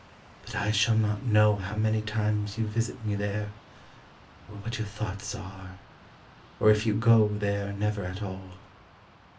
But I shall not know How many times you visit me there, Or what your thoughts are, or if you go There never at all.